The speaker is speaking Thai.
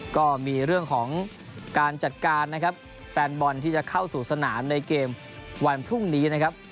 ก็มีเรื่องของการจัดการนะครับแฟนบอลที่จะเข้าสู่สนามในเกมวันพรุ่งนี้นะครับ